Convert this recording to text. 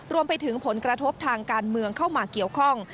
รวมไปถึงผลกระทบทางการเมืองเข้ามาเกี่ยวข้อง